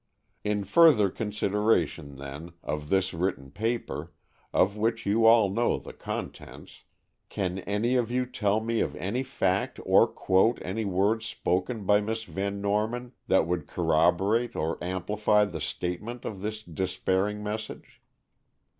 In further consideration, then, of this written paper, of which you all know the contents, can any of you tell me of any fact or quote any words spoken by Miss Van Norman that would corroborate or amplify the statement of this despairing message?"